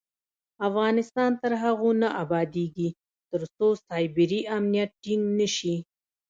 افغانستان تر هغو نه ابادیږي، ترڅو سایبري امنیت ټینګ نشي.